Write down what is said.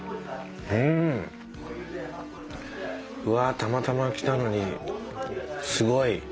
うわたまたま来たのにすごい。